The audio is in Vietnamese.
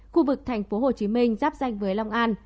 khu vực tp hcm giáp danh với long an